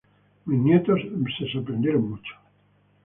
Mis nietos se sorprendieron mucho".